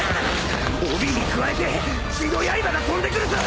帯に加えて血の刃が飛んでくるぞ！